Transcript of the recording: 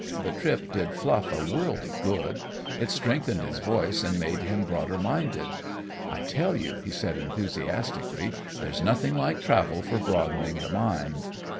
The trip did Fluff a world of good it strengthened his voice, and made him broader minded. I tell you," he said enthusiastically, "there's nothing like travel for broadening the mind!